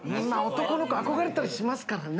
男の子憧れたりしますからね。